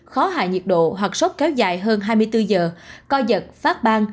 khó hạ nhiệt độ hoặc sốt kéo dài hơn hai mươi bốn giờ coi giật phát ban